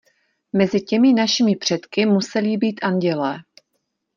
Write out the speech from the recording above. Mezi těmi našimi předky museli být andělé.